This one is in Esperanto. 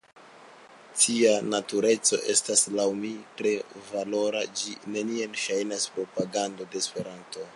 Tia natureco estas, laŭ mi, tre valora, ĝi neniel ŝajnas propagando de Esperanto.